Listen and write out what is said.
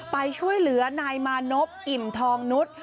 ไปช่วยเหลือนายมานพออิ่มทองนุษย์